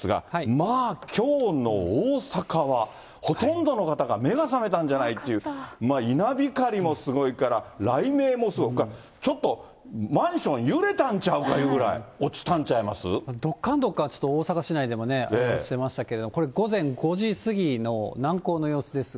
まあ、きょうの大阪はほとんどの方が目が覚めたんじゃないっていう、稲光もすごいから、雷鳴もすごい、ちょっとマンション揺れたんちゃうかぐらい落ちたどっかんどっかん、大阪市内でも落ちてましたけど、これ午前５時過ぎの南港の様子ですが。